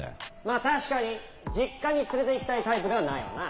まぁ確かに実家に連れて行きたいタイプではないよな。